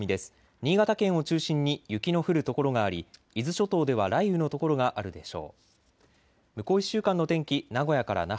新潟県を中心に雪の降る所があり伊豆諸島では雷雨の所があるでしょう。